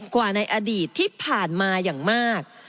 กว่าในอดีตที่ผ่านมาอย่างมาก